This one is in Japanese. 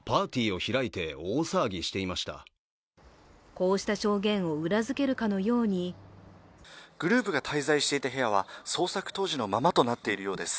こうした証言を裏付けるかのようにグループが滞在していた部屋は捜索当時のままとなっているようです。